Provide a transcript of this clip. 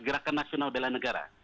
gerakan nasional bela negara